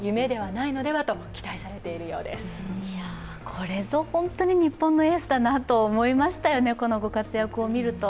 これぞ本当に日本のエースだなと思いましたよね、このご活躍を見ると。